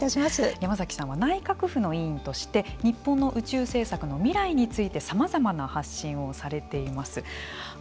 山崎さんは内閣府の委員として日本の宇宙政策の未来についてさまざまな発信をされています。